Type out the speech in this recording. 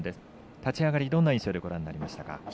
立ち上がり、どんな印象でご覧になりましたか。